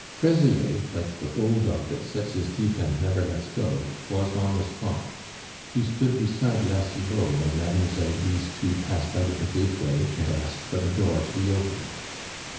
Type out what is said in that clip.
Fraisier, like the bulldog that sets his teeth and never lets go, was on the spot. He stood beside La Cibot when Mlle. Brisetout passed under the gateway and asked for the door to be opened.